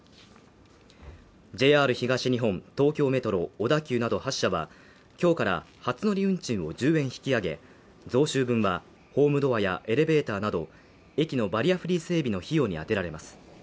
ＪＲ東日本、東京メトロ、小田急など８社は今日から初乗り運賃を１０円引き上げ、増収分は、ホームドアやエレベーターなど、駅のバリアフリー整備の費用に充てられます。